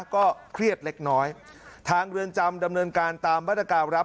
ก็เครียดเล็กน้อยทางเรือนจำดำเนินการตามมาตรการรับ